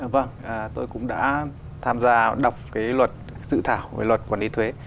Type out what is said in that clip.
vâng tôi cũng đã tham gia đọc cái luật sự thảo về luật quản lý thuế